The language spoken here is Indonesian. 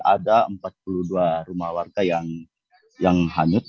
ada empat puluh dua rumah warga yang hanyut